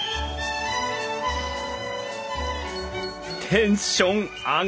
テンション上がります！